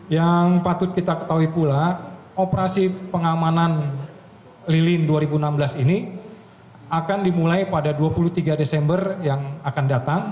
yang patut kita ketahui pula operasi pengamanan lilin dua ribu enam belas ini akan dimulai pada dua puluh tiga desember yang akan datang